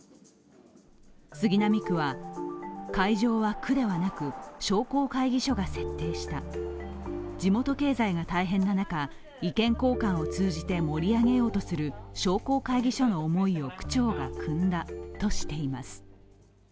杉並区は、会場は区ではなく商工会議所が設定した地元経済が大変な中、意見交換を通じて盛り上げようとする商工会議所の思いを区長がくんだとしています。